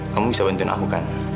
kamu bisa bantuin aku kan